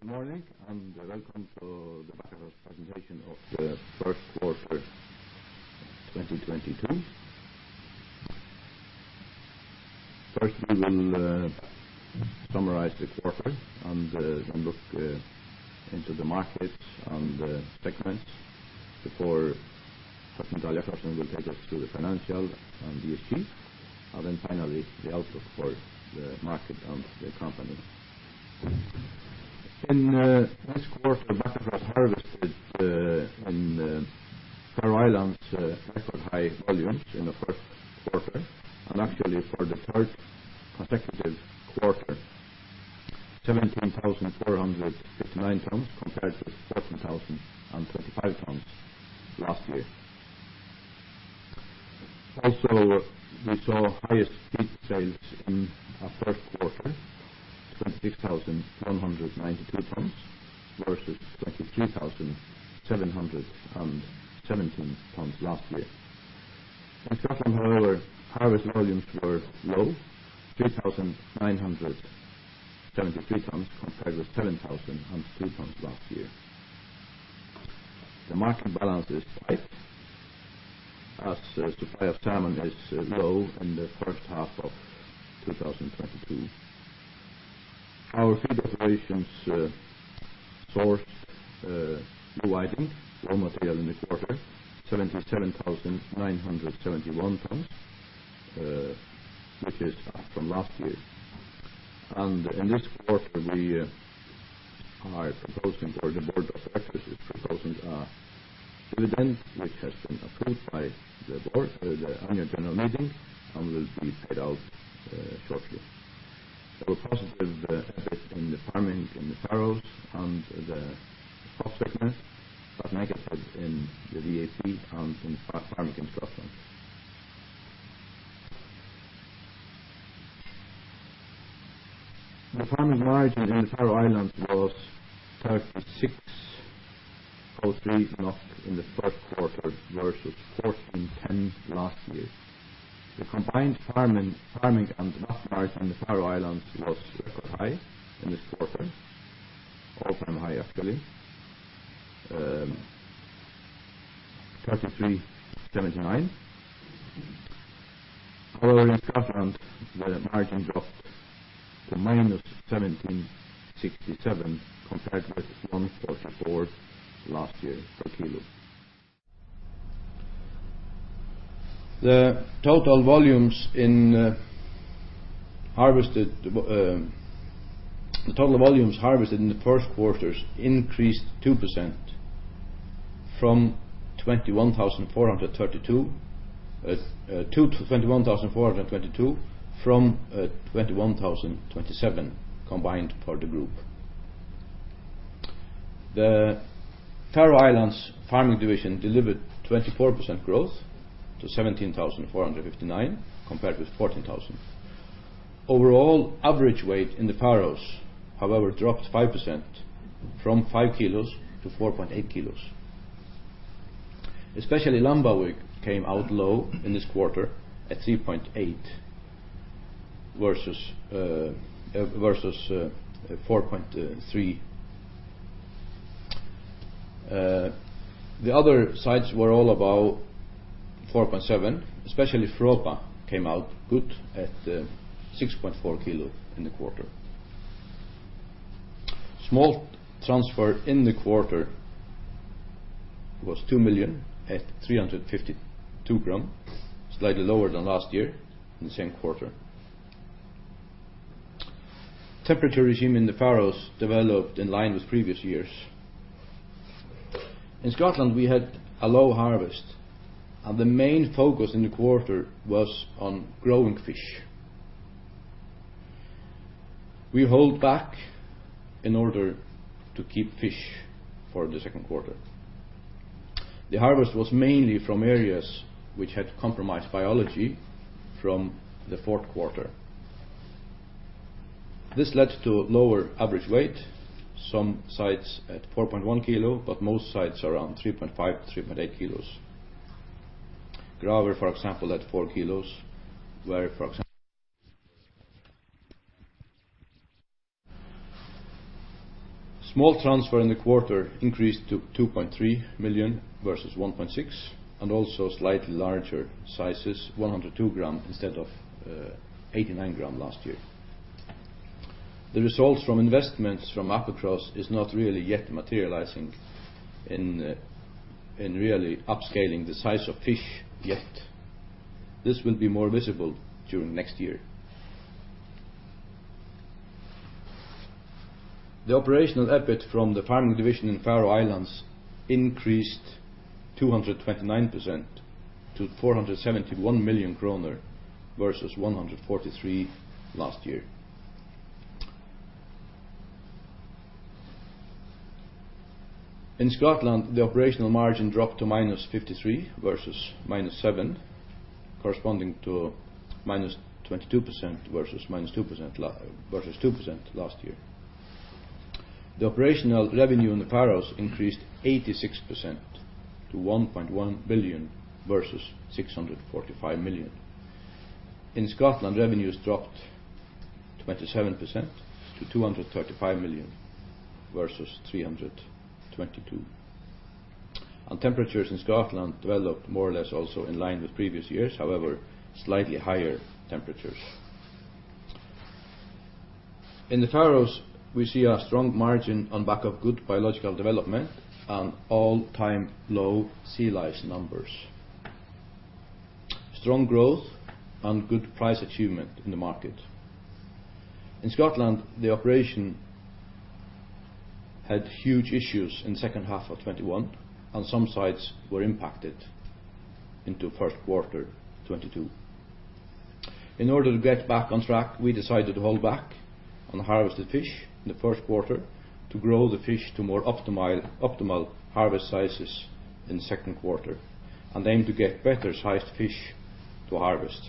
Good morning, and welcome to the Bakkafrost presentation of the first quarter 2022. First, we will summarize the quarter and then look into the markets and the segments before Tróndur Olegaard will take us through the financials and the achievements, and then finally the outlook for the market and the company. In this quarter, Bakkafrost harvested in Faroe Islands record high volumes in the first quarter, and actually for the third consecutive quarter. 17,459 tons compared to 14,025 tons last year. Also, we saw highest feed sales in a first quarter, 26,192 tons versus 23,717 tons last year. In Scotland, however, harvest volumes were low, 3,973 tons compared with 7,003 tons last year. The market balance is tight as supply of salmon is low in the first half of 2022. Our feed operations sourced new raw material in the quarter, 77,971 tons, which is up from last year. In this quarter, we are proposing or the board of directors is proposing a dividend which has been approved by the annual general meeting and will be paid out shortly. There were positive EBIT in the farming in the Faroe Islands and the processing segment, but negative in the VAP and in farming in Scotland. The farming margin in Faroe Islands was 36%, close to 40% in the first quarter versus 14.10% last year. The combined farming and VAP margin in the Faroe Islands was record high in this quarter. All-time high actually, 33.79%. However, in Scotland, the margin dropped to -17.67 compared with 1.34 last year per kg. The total volumes harvested in the first quarters increased 2% from 21,432, 21,422 from 21,027 combined for the group. The Faroe Islands farming division delivered 24% growth to 17,459 compared with 14,000. Overall average weight in the Faroes, however, dropped 5% from 5 kg to 4.8 kg. Especially Lambavík came out low in this quarter at 3.8 kg versus 4.3 kg. The other sites were all about 4.7 kg, especially Froðba came out good at 6.4 kg in the quarter. Smolt transfer in the quarter was 2 million at 352 grams, slightly lower than last year in the same quarter. Temperature regime in the Faroes developed in line with previous years. In Scotland, we had a low harvest, and the main focus in the quarter was on growing fish. We hold back in order to keep fish for the second quarter. The harvest was mainly from areas which had compromised biology from the fourth quarter. This led to lower average weight, some sites at 4.1 kilos, but most sites around 3.5, 3.8 kilos. Gravir, for example, at 4 kilos. Smolt transfer in the quarter increased to 2.3 million versus 1.6, and also slightly larger sizes, 102 grams instead of 89 grams last year. The results from investments from Bakkafrost is not really yet materializing in really upscaling the size of fish yet. This will be more visible during next year. The operational EBIT from the farming division in Faroe Islands increased 229% to 471 million kroner versus 143 million last year. In Scotland, the operational margin dropped to -53 million versus -7 million, corresponding to -22% versus -2% versus 2% last year. The operational revenue in the Faroes increased 86% to 1.1 billion versus 645 million. In Scotland, revenues dropped 27% to 235 million versus 322 million. Temperatures in Scotland developed more or less also in line with previous years, however, slightly higher temperatures. In the Faroes, we see a strong margin on back of good biological development and all-time low sea lice numbers. Strong growth and good price achievement in the market. In Scotland, the operation had huge issues in second half of 2021, and some sites were impacted into first quarter 2022. In order to get back on track, we decided to hold back on harvested fish in the first quarter to grow the fish to more optimal harvest sizes in the second quarter and aim to get better sized fish to harvest.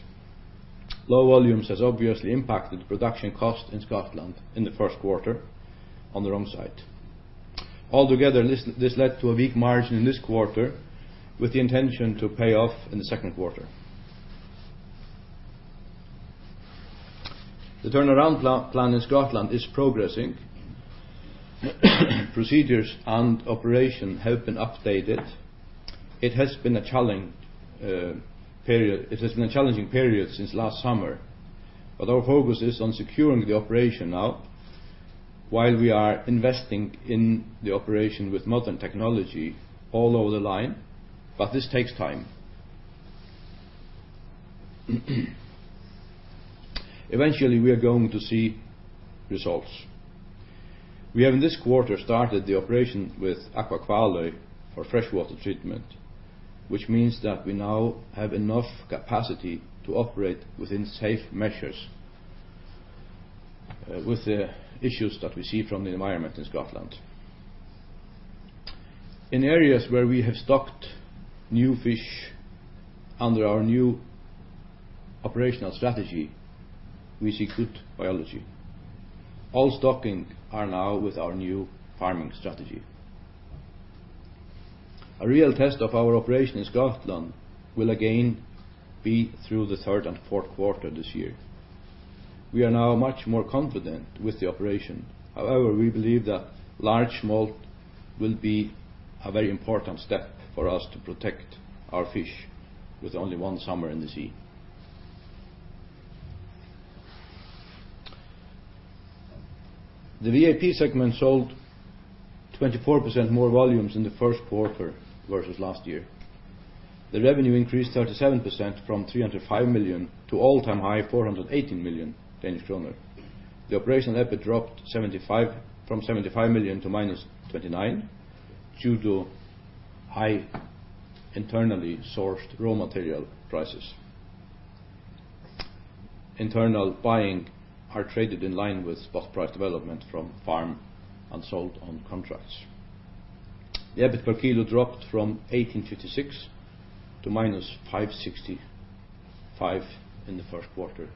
Low volumes has obviously impacted production cost in Scotland in the first quarter on the wrong side. Altogether, this led to a weak margin in this quarter with the intention to pay off in the second quarter. The turn-around plan in Scotland is progressing. Procedures and operation have been updated. It has been a challenging period since last summer, but our focus is on securing the operation now while we are investing in the operation with modern technology all over the line, but this takes time. Eventually, we are going to see results. We have, in this quarter, started the operation with Aqua Kvaløy for freshwater treatment, which means that we now have enough capacity to operate within safe measures, with the issues that we see from the environment in Scotland. In areas where we have stocked new fish under our new operational strategy, we see good biology. All stocking are now with our new farming strategy. A real test of our operation in Scotland will again be through the third and fourth quarter this year. We are now much more confident with the operation. However, we believe that large smolt will be a very important step for us to protect our fish with only one summer in the sea. The VAP segment sold 24% more volumes in the first quarter versus last year. The revenue increased 37% from 305 million to all-time high 418 million Danish kroner. The operational EBIT dropped from 75 million to -29 million due to high internally sourced raw material prices. Internal buying are traded in line with spot price development from farm and sold on contracts. The EBIT per kilo dropped from 18.56 to -5.65 in the first quarter,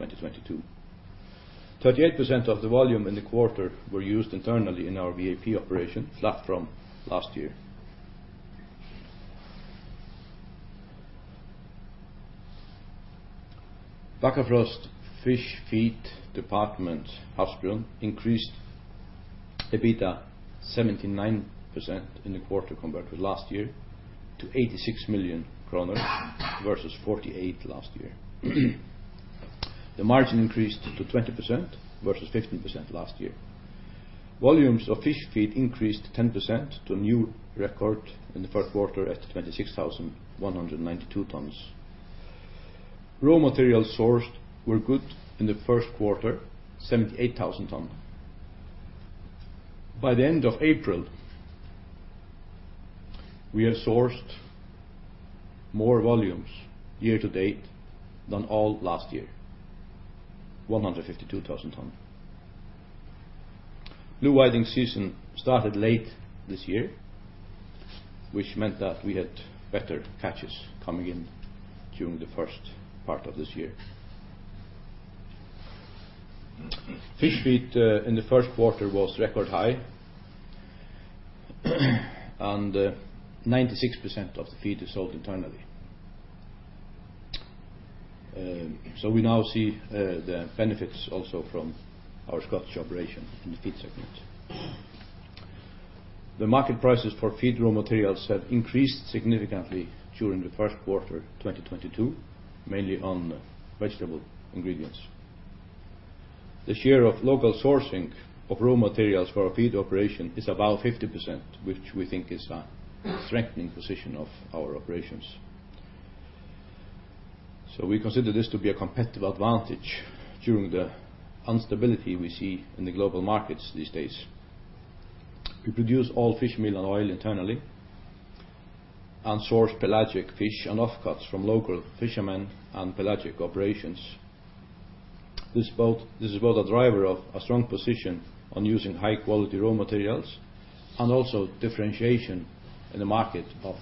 2022. 38% of the volume in the quarter were used internally in our VAP operation, flat from last year. Bakkafrost fish feed department Havsbrún increased EBITDA 79% in the quarter compared with last year to 86 million kroner versus 48 million last year. The margin increased to 20% versus 15% last year. Volumes of fish feed increased 10% to a new record in the first quarter at 26,192 tons. Raw materials sourced were good in the first quarter, 78,000 tons. By the end of April, we have sourced more volumes year to date than all last year, 152,000 tons. Blue whiting season started late this year, which meant that we had better catches coming in during the first part of this year. Fish feed in the first quarter was record high, and 96% of the feed is sold internally. We now see the benefits also from our Scottish operation in the feed segment. The market prices for feed raw materials have increased significantly during the first quarter 2022, mainly on vegetable ingredients. The share of local sourcing of raw materials for our feed operation is about 50%, which we think is a strengthening position of our operations. We consider this to be a competitive advantage during the instability we see in the global markets these days. We produce all fishmeal and fish oil internally and source pelagic fish and offcuts from local fishermen and pelagic operations. This is both a driver of a strong position on using high quality raw materials and also differentiation in the market of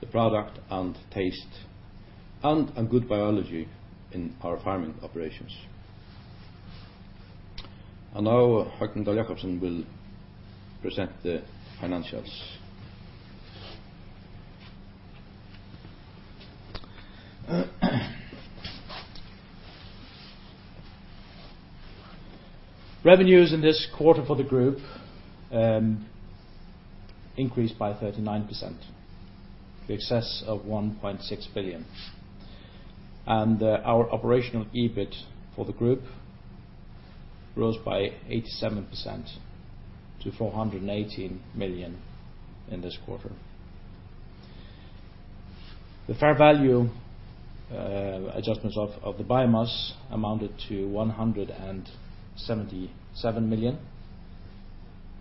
the product and taste, and a good biology in our farming operations. Now, Høgni Dahl Jakobsen will present the financials. Revenues in this quarter for the group increased by 39%, in excess of 1.6 billion. Our operational EBIT for the group grows by 87% to 418 million in this quarter. The fair value adjustments of the biomass amounted to 177 million,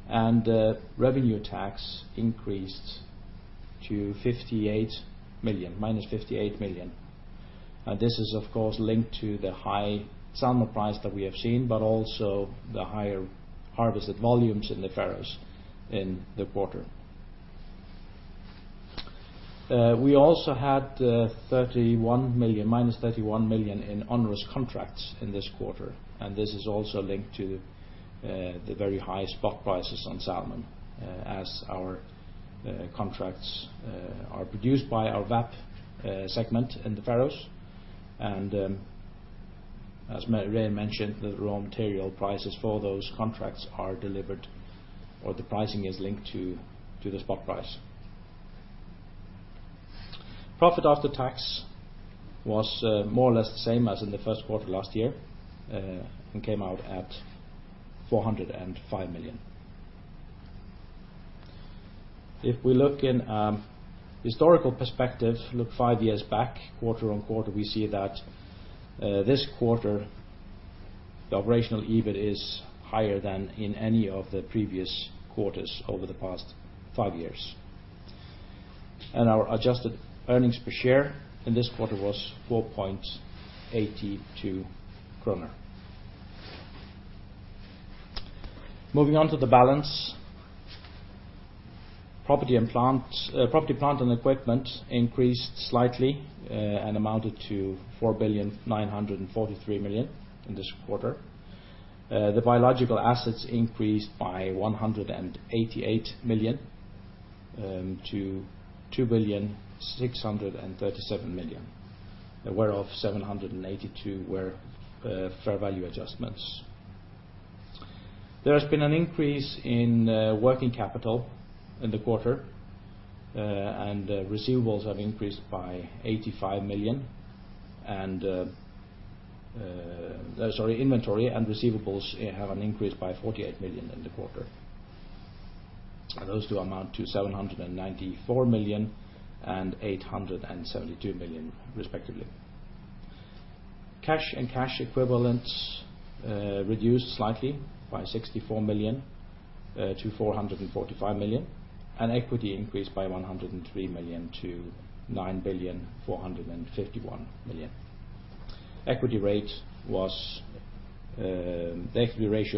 and revenue tax increased to -DKK 58 million. This is of course linked to the high salmon price that we have seen, but also the higher harvested volumes in the Faroes in the quarter. We also had -31 million in onerous contracts in this quarter. This is also linked to the very high spot prices on salmon, as our contracts are produced by our VAP segment in the Faroes. As Regin mentioned, the raw material prices for those contracts are delivered, or the pricing is linked to the spot price. Profit after tax was more or less the same as in the first quarter last year, and came out at 405 million. If we look in historical perspective, look five years back, quarter-over-quarter, we see that this quarter, the operational EBIT is higher than in any of the previous quarters over the past five years. Our adjusted earnings per share in this quarter was 4.82 kroner. Moving on to the balance. Property, plant, and equipment increased slightly, and amounted to 4,943 million in this quarter. The biological assets increased by 188 million to 2,637 million. Whereof, 782 million were fair value adjustments. There has been an increase in working capital in the quarter. Receivables have increased by 85 million. Inventory and receivables have an increase by 48 million in the quarter. Those two amount to 794 million and 872 million respectively. Cash and cash equivalents reduced slightly by 64 million to 445 million, and equity increased by 103 million to 9,451 million. The equity ratio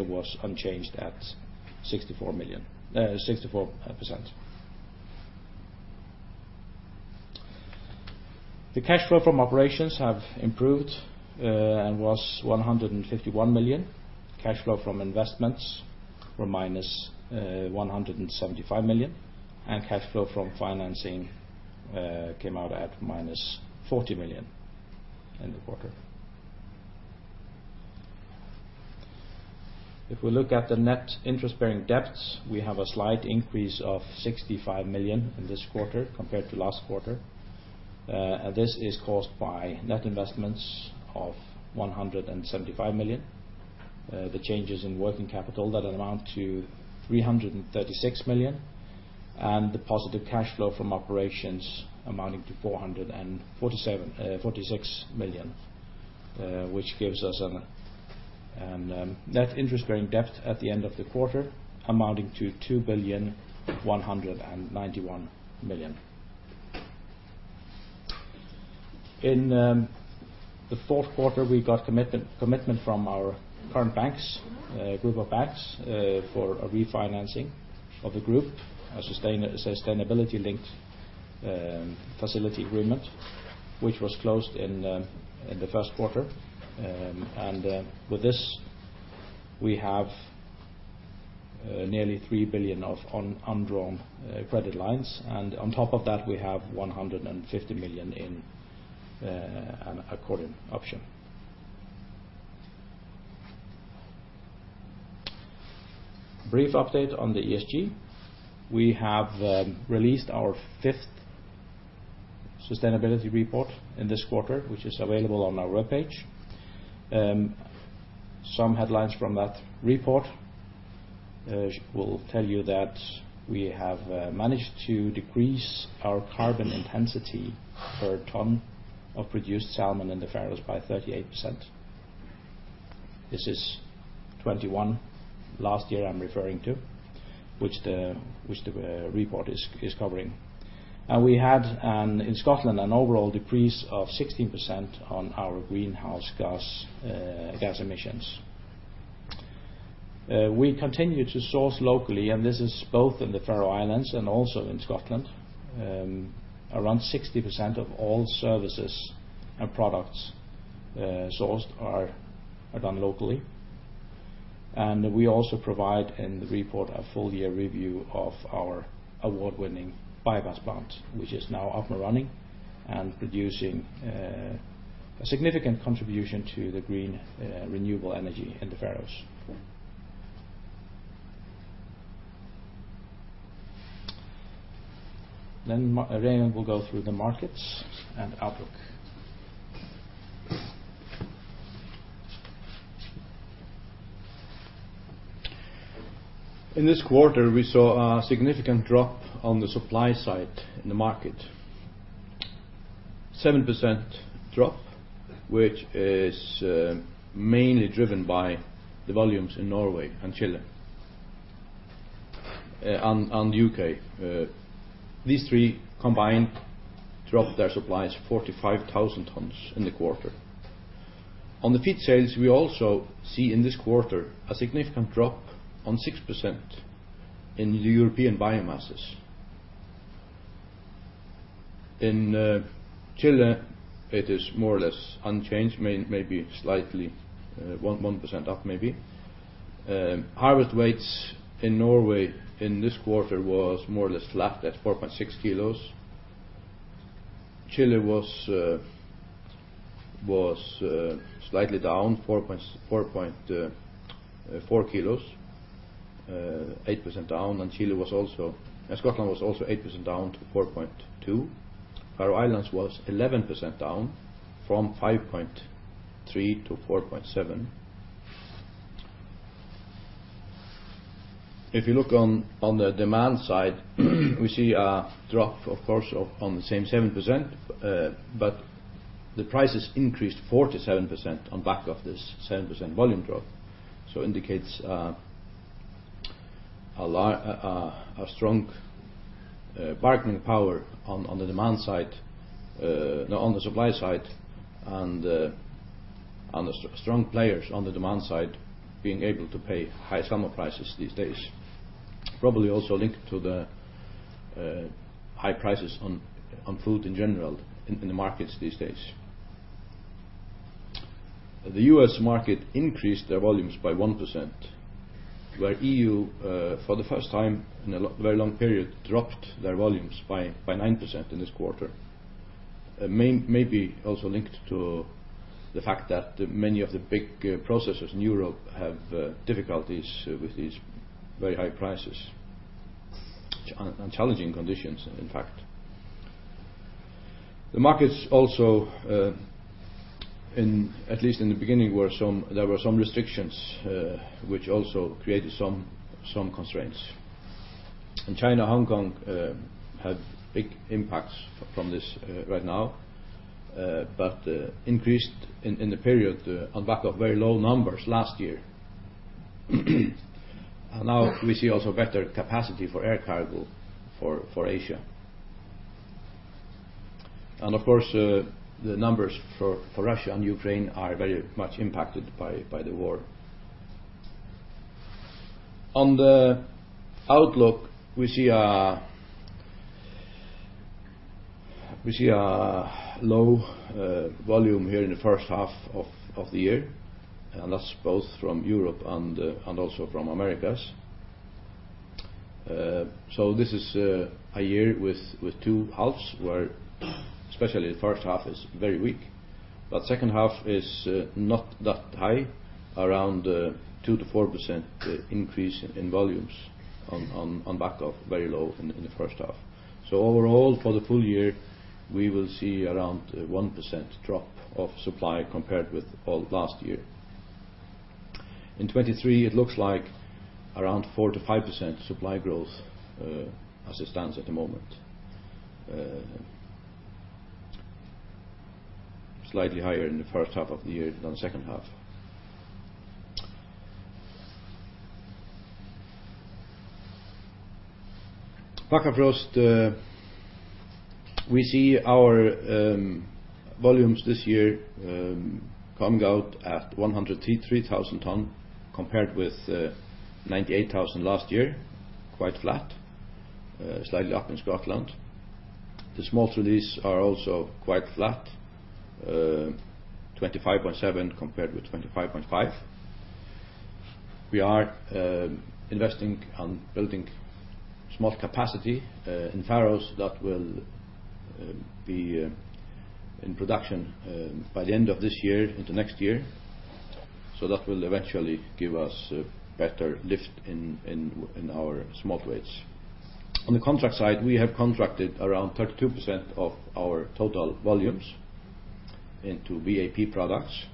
was unchanged at 64%. The cash flow from operations have improved and was 151 million. Cash flow from investments were minus 175 million, and cash flow from financing came out at minus 40 million in the quarter. If we look at the net interest-bearing debts, we have a slight increase of 65 million in this quarter compared to last quarter. This is caused by net investments of 175 million. The changes in working capital that amount to 336 million, and the positive cash flow from operations amounting to 446 million, which gives us a net interest-bearing debt at the end of the quarter amounting to 2,191 million. In the fourth quarter, we got commitment from our current banks, group of banks, for a re-financing of the group, a sustainability-linked facility agreement, which was closed in the first quarter. With this, we have nearly 3 billion in undrawn credit lines. On top of that, we have 150 million in an accordion option. Brief update on the ESG. We have released our fifth sustainability report in this quarter, which is available on our webpage. Some headlines from that report will tell you that we have managed to decrease our carbon intensity per ton of produced salmon in the Faroes by 38%. This is 2021 last year I'm referring to, which the report is covering. We had in Scotland an overall decrease of 16% on our greenhouse gas emissions. We continue to source locally, and this is both in the Faroe Islands and also in Scotland. Around 60% of all services and products sourced are done locally. We also provide in the report a full year review of our award-winning biogas plant, which is now up and running and producing a significant contribution to the green renewable energy in the Faroes. Regin will go through the markets and outlook. In this quarter, we saw a significant drop on the supply side in the market. 7% drop, which is mainly driven by the volumes in Norway and Chile, and U.K. These three combined dropped their supplies 45,000 tons in the quarter. On the feed sales, we also see in this quarter a significant drop on 6% in the European biomasses. In Chile, it is more or less unchanged, maybe slightly 1% up maybe. Harvest weights in Norway in this quarter was more or less flat at 4.6 kilos. Chile was slightly down, 4 kilos, 8% down, and Scotland was also 8% down to 4.2. Faroe Islands was 11% down from 5.3 to 4.7. If you look on the demand side, we see a drop of course on the same 7%, but the prices increased 47% on the back of this 7% volume drop. Indicates a strong bargaining power on the demand side, no, on the supply side, and strong players on the demand side being able to pay high summer prices these days. Probably also linked to the high prices on food in general in the markets these days. The U.S. market increased their volumes by 1%, where EU, for the first time in a very long period, dropped their volumes by 9% in this quarter. Maybe also linked to the fact that many of the big processors in Europe have difficulties with these very high prices and challenging conditions, in fact. The markets also, at least in the beginning, there were some restrictions, which also created some constraints. China, Hong Kong, had big impacts from this, right now, but increased in the period, on the back of very low numbers last year. Now we see also better capacity for air cargo for Asia. Of course, the numbers for Russia and Ukraine are very much impacted by the war. On the outlook, we see a low volume here in the first half of the year, and that's both from Europe and also from Americas. This is a year with two halves where especially the first half is very weak, but second half is not that high, around 2%-4% increase in volumes on the back of very low in the first half. Overall for the full-year, we will see around 1% drop of supply compared with last year. In 2023, it looks like around 4%-5% supply growth as it stands at the moment. Slightly higher in the first half of the year than the second half. Bakkafrost, we see our volumes this year coming out at 103,000 tonnes compared with 98,000 last year, quite flat, slightly up in Scotland. The smolts released are also quite flat, 25.7 compared with 25.5. We are investing on building smolt capacity in Faroes that will be in production by the end of this year into next year. That will eventually give us a better lift in our smolt weights. On the contract side, we have contracted around 32% of our total volumes into VAP products,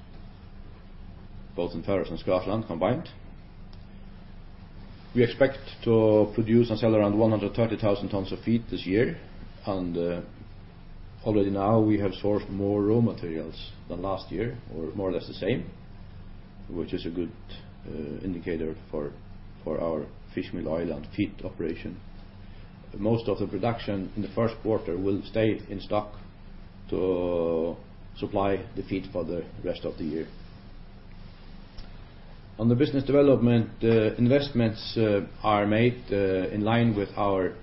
both in Faroes and Scotland combined. We expect to produce and sell around 130,000 tons of feed this year, and already now we have sourced more raw materials than last year, or more or less the same, which is a good indicator for our fishmeal, oil, and feed operation. Most of the production in the first quarter will stay in stock to supply the feed for the rest of the year. On the business development, investments are made in line with our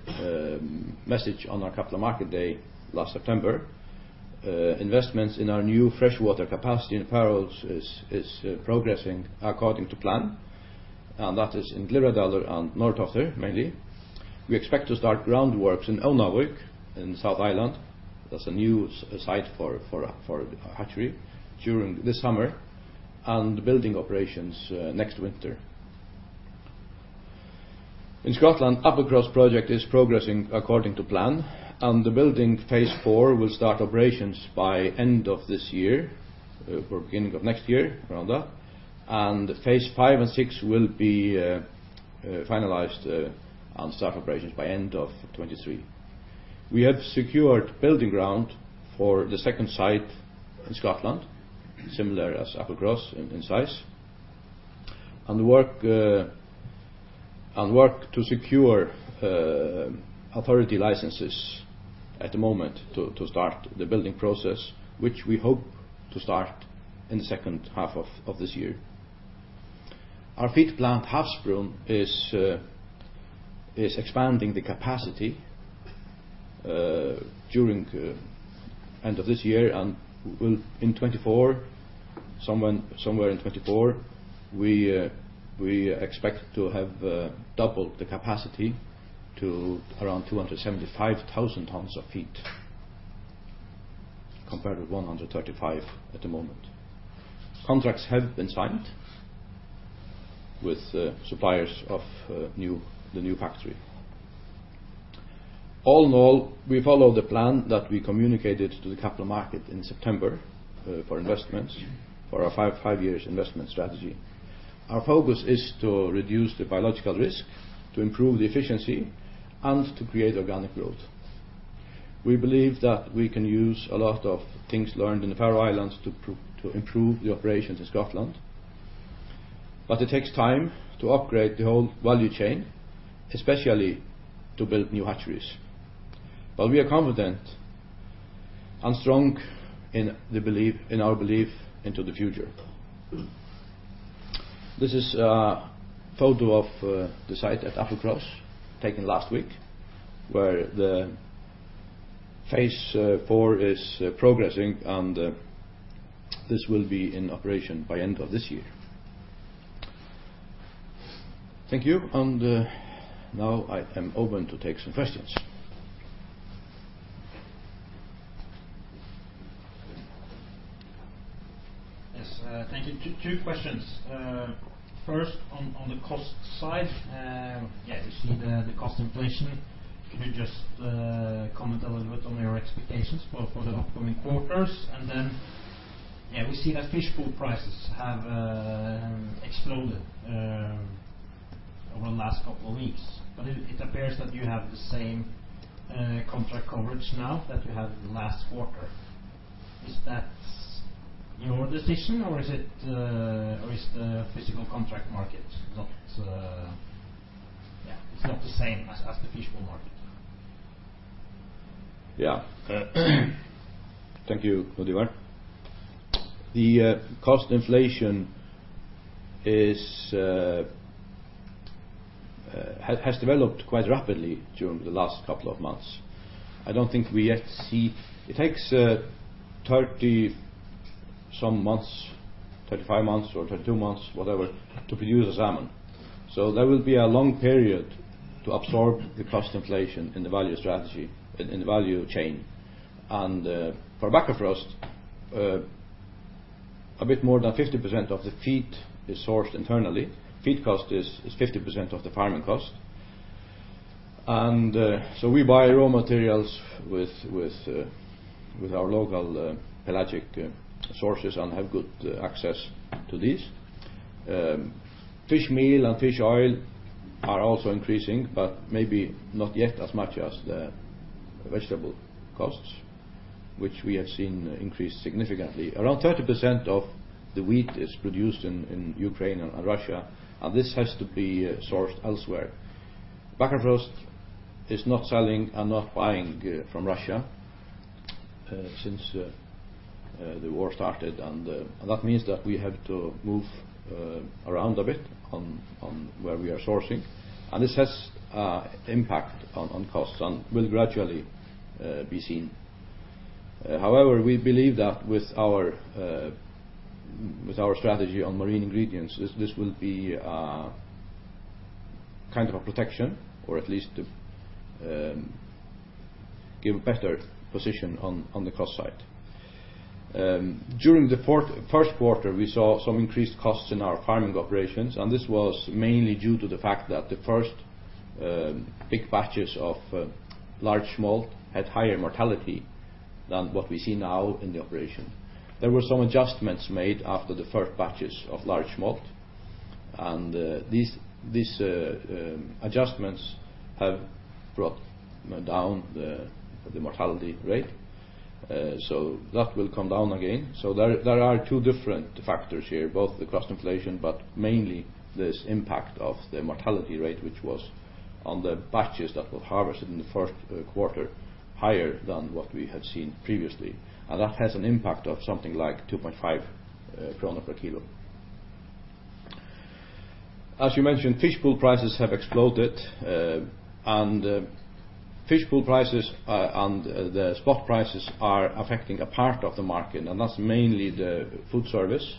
message on our capital market day last September. Investments in our new freshwater capacity in the Faroes is progressing according to plan, and that is in Glyvradalur and Norðtoftir mainly. We expect to start groundworks in Øynarvík in Suðuroy, that's a new site for a hatchery during this summer, and building operations next winter. In Scotland, Applecross project is progressing according to plan, and the building phase four will start operations by end of this year or beginning of next year rather. Phase five and six will be finalized and start operations by end of 2023. We have secured building ground for the second site in Scotland, similar as Applecross in size. Work to secure authority licenses at the moment to start the building process, which we hope to start in the second half of this year. Our feed plant Havsbrún is expanding the capacity during end of this year and will somewhere in 2024 we expect to have doubled the capacity to around 275,000 tons of feed compared with 135 at the moment. Contracts have been signed with suppliers of the new factory. All in all, we follow the plan that we communicated to the capital market in September for investments for our five-year investment strategy. Our focus is to reduce the biological risk, to improve the efficiency, and to create organic growth. We believe that we can use a lot of things learned in the Faroe Islands to improve the operations in Scotland. It takes time to upgrade the whole value chain, especially to build new hatcheries. We are confident and strong in our belief in the future. This is a photo of the site at Applecross taken last week, where the phase four is progressing and this will be in operation by end of this year. Thank you. Now I am open to take some questions. Yes, thank you. Two questions. First on the cost side. Yeah, we see the cost inflation. Can you just comment a little bit on your expectations both for the upcoming quarters? Then, yeah, we see that fish feed prices have exploded over the last couple of weeks. It appears that you have the same contract coverage now that you had in the last quarter. Is that your decision or is the physical contract market not the same as the fish feed market? Yeah. Thank you, Odvar. The cost inflation has developed quite rapidly during the last couple of months. I don't think we yet see. It takes 30-some months, 35 months or 32 months, whatever, to produce a salmon. There will be a long period to absorb the cost inflation in the value chain. For Bakkafrost, a bit more than 50% of the feed is sourced internally. Feed cost is 50% of the farming cost. We buy raw materials with our local pelagic sources and have good access to these. Fishmeal and fish oil are also increasing, but maybe not yet as much as the vegetable costs, which we have seen increase significantly. Around 30% of the wheat is produced in Ukraine and Russia, and this has to be sourced elsewhere. Bakkafrost is not selling and not buying from Russia since the war started. That means that we have to move around a bit on where we are sourcing. This has an impact on costs and will gradually be seen. However, we believe that with our strategy on marine ingredients, this will be kind of a protection or at least give a better position on the cost side. During the first quarter, we saw some increased costs in our farming operations, and this was mainly due to the fact that the first big batches of large smolt had higher mortality than what we see now in the operation. There were some adjustments made after the first batches of large smolt, and these adjustments have brought down the mortality rate. That will come down again. There are two different factors here, both the cost inflation, but mainly this impact of the mortality rate, which was on the batches that were harvested in the first quarter higher than what we had seen previously. That has an impact of something like 1 krone per kilo. As you mentioned, fishmeal prices have exploded. Fishmeal prices and the spot prices are affecting a part of the market, and that's mainly the food service,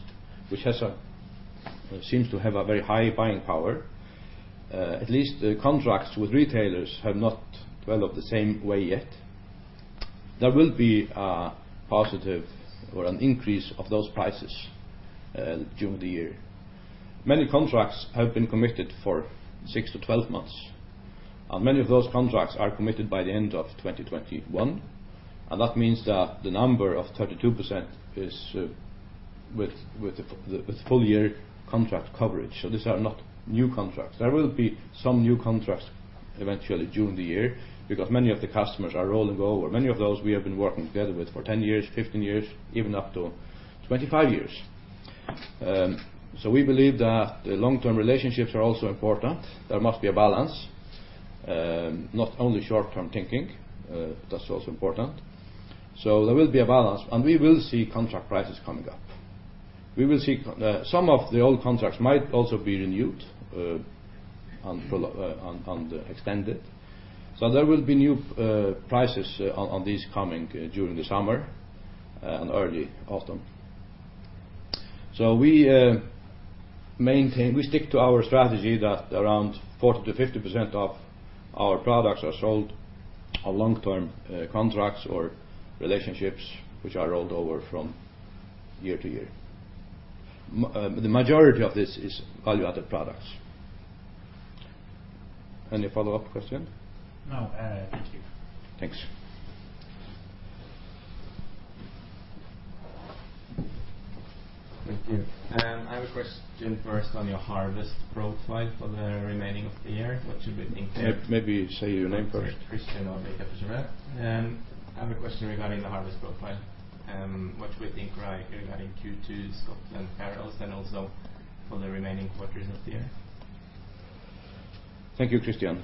which seems to have a very high buying power. At least the contracts with retailers have not developed the same way yet. There will be a positive or an increase of those prices during the year. Many contracts have been committed for six-12 months. Many of those contracts are committed by the end of 2021, and that means that the number of 32% is with full year contract coverage. These are not new contracts. There will be some new contracts eventually during the year, because many of the customers are rolling over. Many of those we have been working together with for 10 years, 15 years, even up to 25 years. We believe that the long-term relationships are also important. There must be a balance, not only short-term thinking. That's also important. There will be a balance, and we will see contract prices coming up. We will see some of the old contracts might also be renewed, and fulfilled, and extended. There will be new prices on these coming during the summer and early autumn. We stick to our strategy that around 40%-50% of our products are sold on long-term contracts or relationships which are rolled over from year to year. The majority of this is value-added products. Any follow-up question? No. Thank you. Thanks. Thank you. I have a question first on your harvest profile for the remaining of the year. What should we think here? Maybe say your name first. Christian Olsen Nordby at Arctic Securities. I have a question regarding the harvest profile. What do we think regarding second quarter, Scotland, Faroes, and also for the remaining quarters of the year? Thank you, Christian.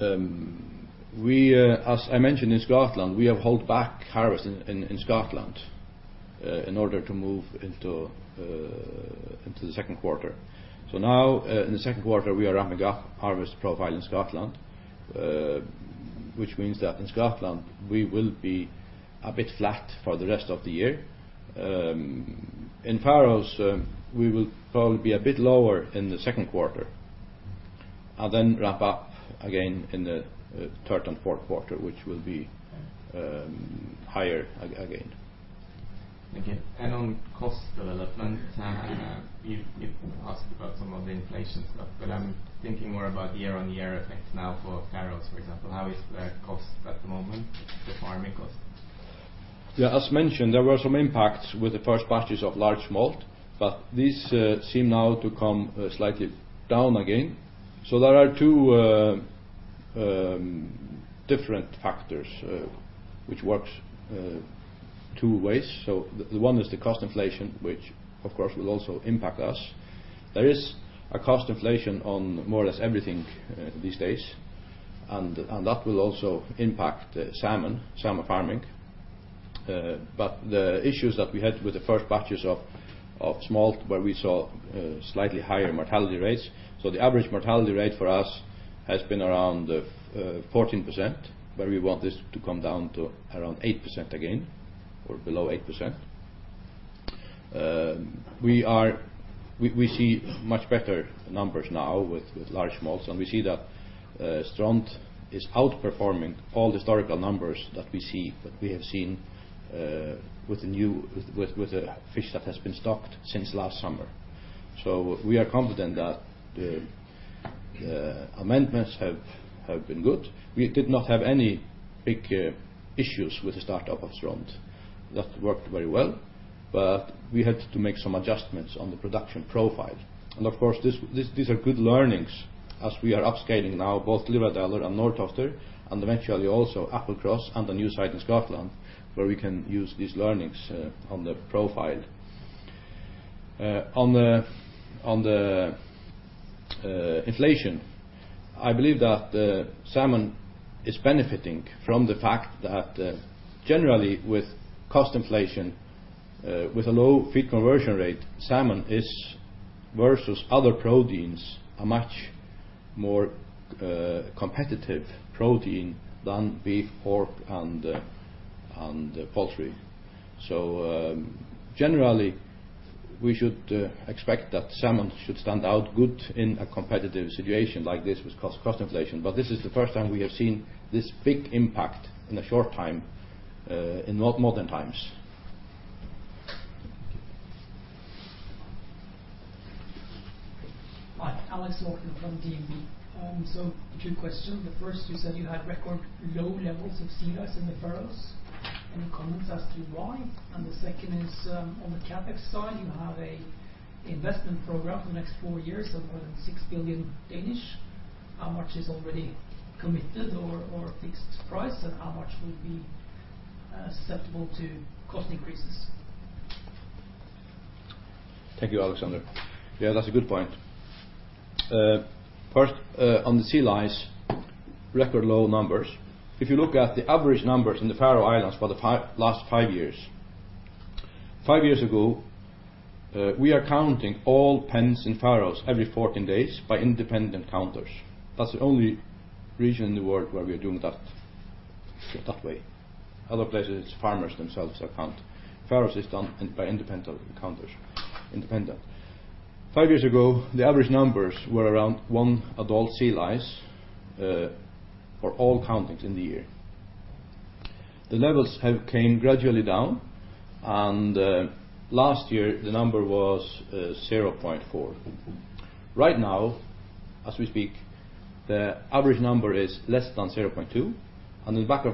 As I mentioned, in Scotland, we have held back harvest in Scotland in order to move into the second quarter. Now, in the second quarter we are ramping up harvest profile in Scotland, which means that in Scotland we will be a bit flat for the rest of the year. In the Faroes, we will probably be a bit lower in the second quarter, and then ramp up again in the third and fourth quarter, which will be higher again. Thank you. On cost development, you asked about some of the inflation stuff. Yes. I'm thinking more about year-on-year effects now for Faroes, for example. How is the cost at the moment, the farming cost? Yeah. As mentioned, there were some impacts with the first batches of large smolt, but these seem now to come slightly down again. There are two different factors which works two ways. One is the cost inflation, which of course will also impact us. There is a cost inflation on more or less everything these days, and that will also impact salmon farming. But the issues that we had with the first batches of smolt, where we saw slightly higher mortality rates. The average mortality rate for us has been around 14%, but we want this to come down to around 8% again or below 8%. We are, We see much better numbers now with large smolts, and we see that Strond is outperforming all historical numbers that we have seen with the fish that has been stocked since last summer. We are confident that the amendments have been good. We did not have any big issues with the start-up of Strond. That worked very well, but we had to make some adjustments on the production profile. Of course, these are good learnings as we are upscaling now, both Glyvradalur and Norðtoftir, and eventually also Applecross and the new site in Scotland, where we can use these learnings on the profile. On the inflation, I believe that salmon is benefiting from the fact that generally with cost inflation, with a low feed conversion ratio, salmon is versus other proteins a much more competitive protein than beef, pork and poultry. Generally we should expect that salmon should stand out good in a competitive situation like this with cost inflation. This is the first time we have seen this big impact in a short time in not modern times. Thank you. Hi. Alex Morton from DNB. Two questions. The first, you said you had record low levels of sea lice in the Faroes. Any comments as to why? The second is, on the CapEx side, you have an investment program for the next four years of more than 6 billion. How much is already committed or fixed price, and how much will be susceptible to cost increases? Thank you, Alexander. Yeah, that's a good point. First, on the sea lice, record low numbers. If you look at the average numbers in the Faroe Islands for the last five years. Five years ago, we are counting all pens in Faroes every 14 days by independent counters. That's the only region in the world where we are doing that way. Other places, it's farmers themselves that count. Faroes is done in by independent counters. Independent. Five years ago, the average numbers were around one adult sea lice for all countings in the year. The levels have came gradually down, and last year, the number was zero point four. Right now, as we speak, the average number is less than zero point two.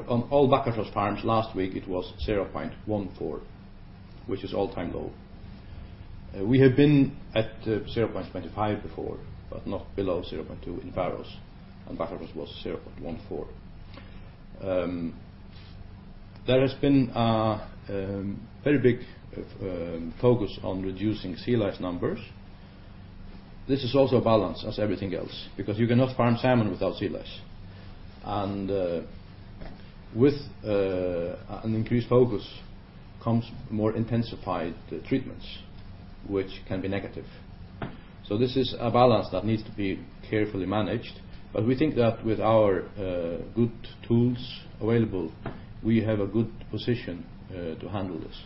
On all Bakkafrost farms last week it was zero point one four, which is all-time low. We have been at 0.25 before, but not below 0.2 in Faroes, and Bakkafrost was 0.14. There has been a very big focus on reducing sea lice numbers. This is also a balance, as everything else, because you cannot farm salmon without sea lice. With an increased focus comes more intensified treatments, which can be negative. This is a balance that needs to be carefully managed, but we think that with our good tools available, we have a good position to handle this.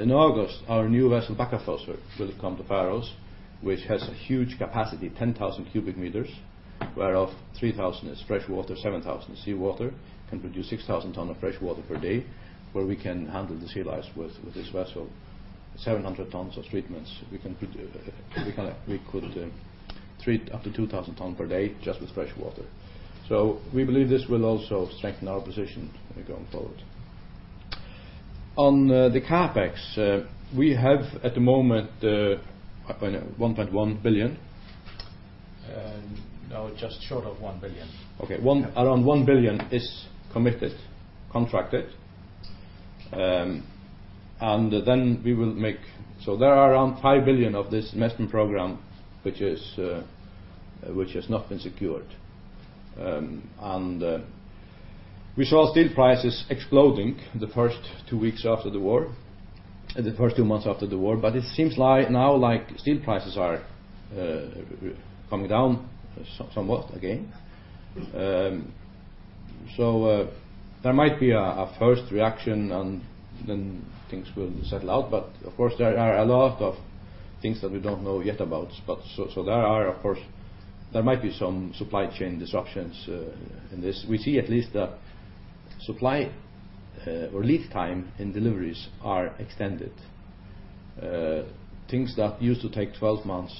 In August, our new vessel, Bakkafrost, will come to Faroes, which has a huge capacity, 10,000 cubic meters, whereof 3,000 is freshwater, 7,000 is seawater. Can produce 6,000 tons of freshwater per day, where we can handle the sea lice with this vessel. Seven hundred tons of treatments we can put, we can treat up to 2,000 tons per day just with freshwater. We believe this will also strengthen our position going forward. On the CapEx, we have at the moment 1.1 billion. Now just short of 1 billion. Okay. Yeah. Around 1 billion is committed, contracted. There are around 5 billion of this investment program, which has not been secured. We saw steel prices exploding the first two weeks after the war, the first two months after the war, but it seems like now, like steel prices are coming down somewhat again. There might be a first reaction and then things will settle out. Of course there are a lot of things that we don't know yet about. There might be some supply chain disruptions in this. We see at least the supply or lead time in deliveries are extended. Things that used to take 12 months,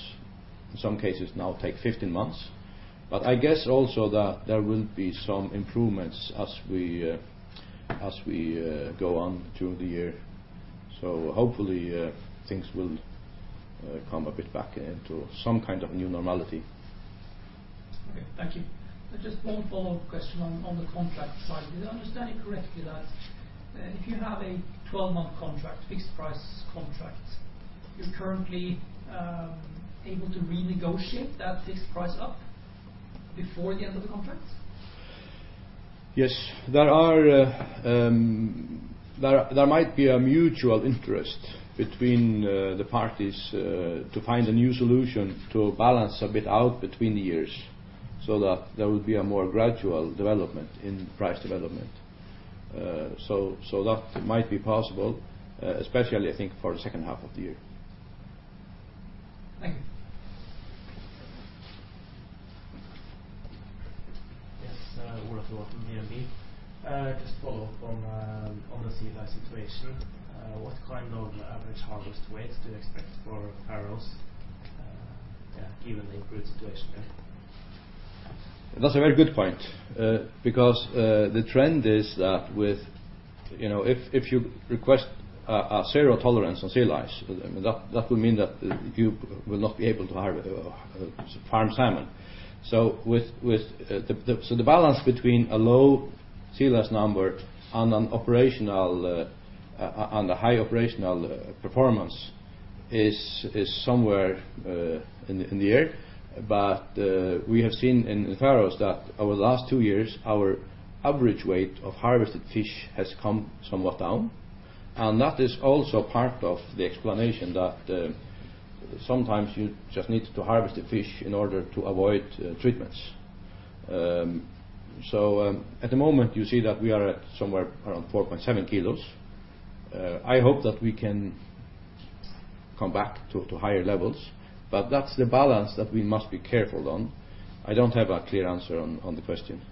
in some cases now take 15 months. I guess also that there will be some improvements as we go on through the year. Hopefully, things will come a bit back into some kind of new normality. Okay, thank you. Just one follow-up question on the contract side. Did I understand it correctly that if you have a 12-month contract, fixed price contract, you're currently able to renegotiate that fixed price-up before the end of the contract? Yes. There might be a mutual interest between the parties to find a new solution to balance a bit out between the years, so that there will be a more gradual development in price development. That might be possible, especially I think for the second half of the year. Thank you. Yes, Ola Flåten, DNB. Just follow up on the sea lice situation. What kind of average harvest weights do you expect for Faroes, given the improved situation there? That's a very good point. Because the trend is that with, you know, if you request a zero tolerance on sea lice, that would mean that you will not be able to farm salmon. The balance between a low sea lice number and high operational performance is somewhere up in the air. We have seen in the Faroe Islands that over the last two years, our average weight of harvested fish has come somewhat down. That is also part of the explanation that sometimes you just need to harvest the fish in order to avoid treatments. At the moment you see that we are at somewhere around 4.7 kilos. I hope that we can come back to higher levels. That's the balance that we must be careful on. I don't have a clear answer on the question.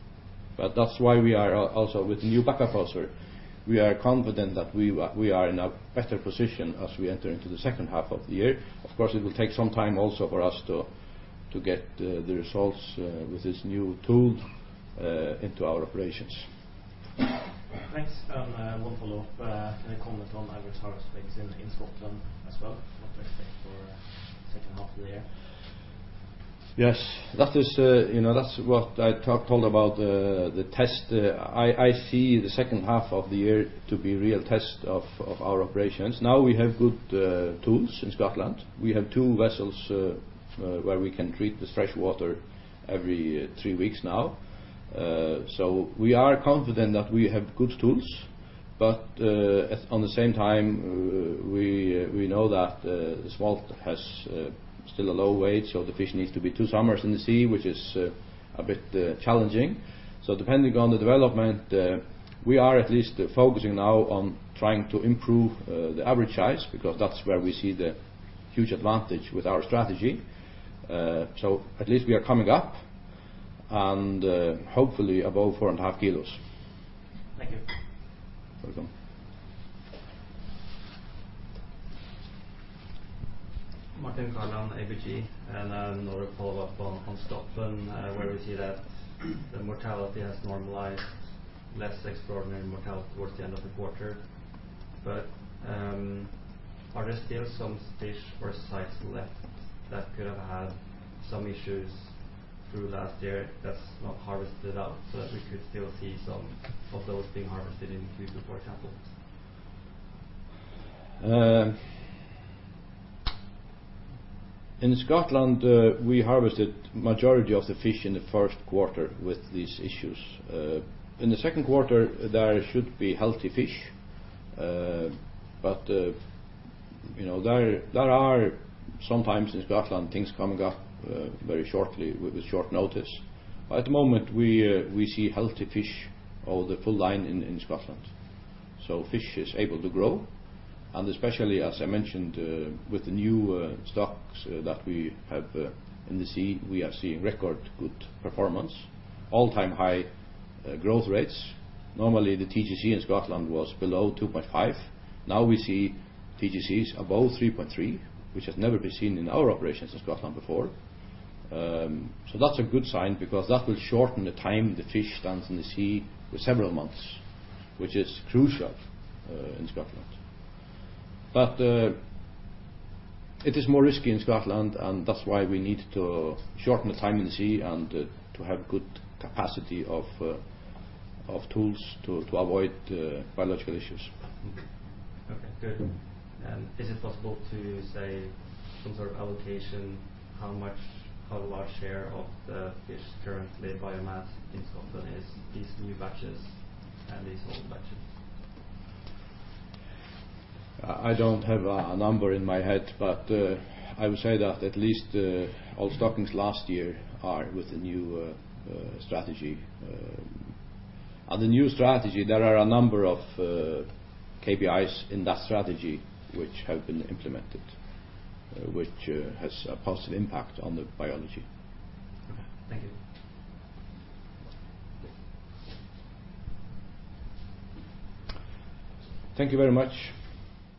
That's why we are also with the new Bakkafrost, we are confident that we are in a better position as we enter into the second half of the year. Of course, it will take some time also for us to get the results with this new tool into our operations. Thanks. One follow-up comment on average harvest weights in Scotland as well. What to expect for second half of the year? Yes. That is, you know, that's what I told about the test. I see the second half of the year to be real test of our operations. Now we have good tools in Scotland. We have two vessels where we can treat with fresh water every three weeks now. We are confident that we have good tools. At the same time, we know that the smolt has still a low weight, so the fish needs to be two summers in the sea, which is a bit challenging. Depending on the development, we are at least focusing now on trying to improve the average size, because that's where we see the huge advantage with our strategy. At least we are coming up and, hopefully, above 4.5 kilos. Thank you. Welcome. Martin Kaland, ABG, another follow-up on Scotland, where we see that the mortality has normalized less extraordinary mortality towards the end of the quarter. Are there still some fish or size left that could have had some issues through last year that's not harvested out, so that we could still see some of those being harvested in Q4, for example? In Scotland, we harvested majority of the fish in the first quarter with these issues. In the second quarter, there should be healthy fish. You know, there are sometimes in Scotland things coming up very shortly with a short notice. At the moment, we see healthy fish over the full line in Scotland. Fish is able to grow. Especially, as I mentioned, with the new stocks that we have in the sea, we are seeing record good performance, all-time high growth rates. Normally, the TGC in Scotland was below 2.5. Now we see TGCs above 3.3, which has never been seen in our operations in Scotland before. That's a good sign because that will shorten the time the fish stands in the sea for several months, which is crucial in Scotland. It is more risky in Scotland, and that's why we need to shorten the time in sea and to have good capacity of tools to avoid biological issues. Okay, good. Is it possible to say some sort of allocation, how large share of the fish current biomass in Scotland is these new batches and these old batches? I don't have a number in my head, but I would say that at least all stockings last year are with the new strategy. The new strategy, there are a number of KPIs in that strategy which have been implemented, which has a positive impact on the biology. Okay. Thank you. Thank you very much.